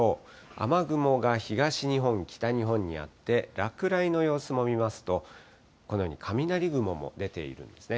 雨雲が東日本、北日本にあって、落雷の様子も見ますと、このように雷雲も出ているんですね。